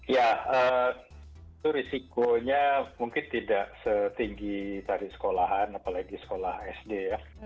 ya itu risikonya mungkin tidak setinggi tadi sekolahan apalagi sekolah sd ya